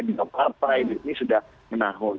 di tempat partai ini sudah menahan